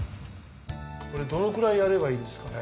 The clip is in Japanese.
これどのくらいやればいいんですかね？